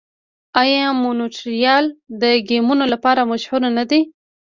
آیا مونټریال د ګیمونو لپاره مشهور نه دی؟